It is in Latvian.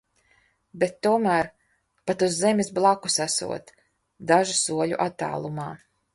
Bet tomēr, pat uz zemes blakus esot, dažu soļu attālumā.